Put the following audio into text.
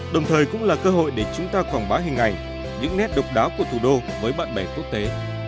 đồng thời cũng là cơ hội để chúng ta quảng bá hình ảnh những nét độc đáo của thủ đô với bạn bè quốc tế